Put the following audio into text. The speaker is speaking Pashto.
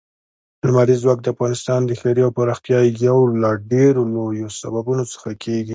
لمریز ځواک د افغانستان د ښاري پراختیا یو له ډېرو لویو سببونو څخه کېږي.